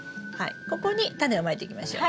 ここにタネをまいていきましょう。